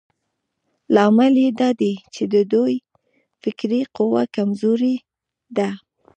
لامل يې دا دی چې د دوی فکري قوه کمزورې ده.